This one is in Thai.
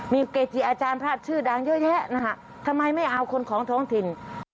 มีเกจิอาจารย์พระชื่อดังเยอะแยะนะคะทำไมไม่เอาคนของท้องถิ่น